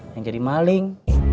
yang jadi maling